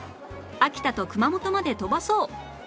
秋田と熊本まで飛ばそう！